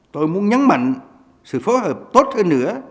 tôi muốn nhấn mạnh sự phối hợp tốt hơn nữa